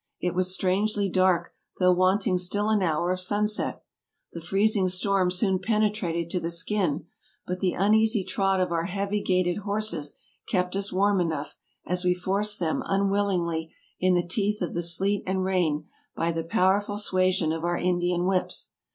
It was strangely dark, though wanting still an hour of sunset. The freezing storm soon penetrated to the skin, but the uneasy trot of our heavy gaited horses kept us warm enough, as we forced them un willingly in the teeth of the sleet and rain by the powerful suasion of our Indian whips.